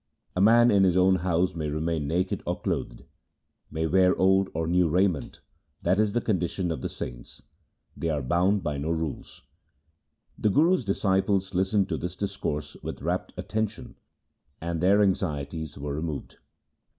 A man in his own house may remain naked or clothed, may wear old or new raiment — that is the con dition of the saints — they are bound by no rules.' The Guru's disciples listened to this discourse with rapt attention and their anxieties were removed.